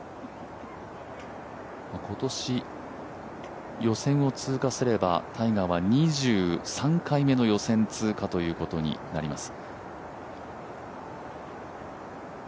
今年、予選を通過すればタイガーは２３回目の予選通過ということになります。